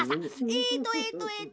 えっとえっとえっと。